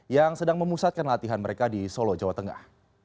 yang sedang memusatkan latihan mereka di solo jawa tengah